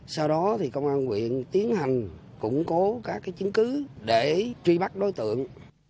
sau đó thì công an quyện tiến hành củng cố các chứng cứ để truy bắt đối tượng